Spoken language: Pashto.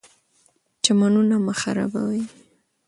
چمنونه مه خرابوئ.